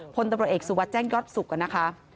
พลตำรวจเอกสุวัสดิแจ้งยอดสุขนะคะ